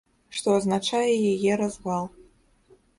Што азначае яе развал.